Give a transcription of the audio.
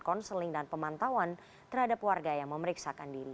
konseling dan pemantauan terhadap warga yang memeriksakan diri